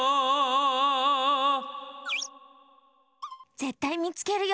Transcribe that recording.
ぜったいみつけるよ。